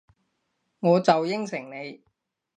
我就應承你